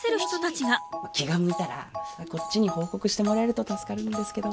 気が向いたらこっちに報告してもらえると助かるんですけど。